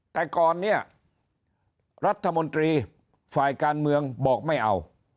แต่ก่อนเนี่ยรัฐมนตรีฝ่ายการเมืองบอกไม่เอา